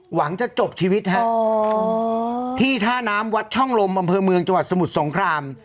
หวังจะจบชีวิตฮะที่ท่าน้ำวัดช่องลมอำเภอเมืองจังหวัดสมุทรสงคราม